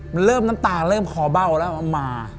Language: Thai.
มันเริ่มน้ำตาเริ่มคอเบ้าแล้วเอามา